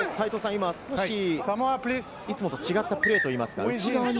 今、少し、いつもと違ったプレーといいますか。